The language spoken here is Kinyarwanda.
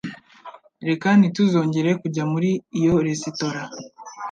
Reka ntituzongere kujya muri iyo resitora.